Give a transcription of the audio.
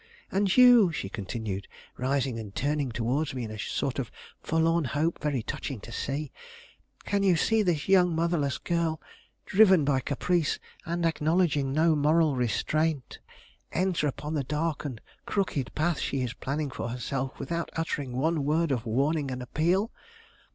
And you," she continued, rising and turning toward me in a sort of forlorn hope very touching to see, "can you see this young motherless girl, driven by caprice, and acknowledging no moral restraint, enter upon the dark and crooked path she is planning for herself, without uttering one word of warning and appeal?